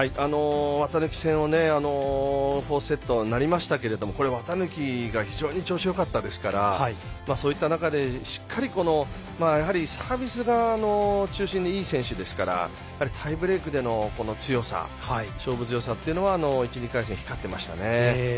綿貫戦４セットになりましたが綿貫が非常に調子がよかったですからそういった中でしっかりとサービス側中心にいい選手ですからタイブレークでの勝負強さというのは１、２回戦光っていましたね。